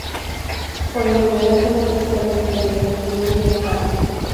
Por lo general toma tres horas para llegar a la cima de Bari.